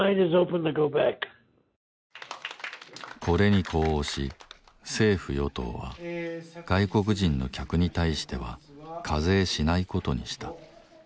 これに呼応し政府・与党は外国人の客に対しては課税しない事にした